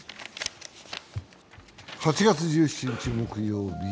８月１７日、木曜日。